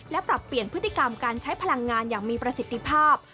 และปรับเปลี่ยนพฤติกรรมการใช้พลังงานอย่างมีประสิทธิภาพ